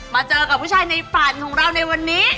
มาเจอกับผู้ชายในฝันของเราในวันนี้